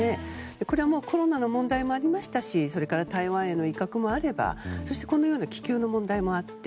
これはコロナの問題もありましたしそれから台湾への威嚇もあればそしてこのような気球の問題もあって。